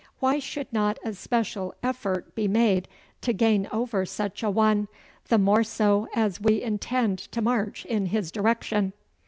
Why should not a special effort be made to gain over such a one, the more so as we intend to march in his direction?